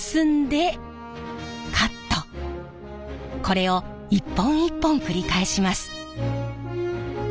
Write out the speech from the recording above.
これを一本一本繰り返します。